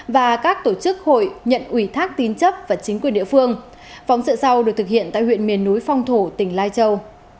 và các tổ chức hội nhận ủy thác tín chấp và chính quyền địa phương phóng sự sau được thực hiện tại huyện miền núi phong thổ tỉnh lai châu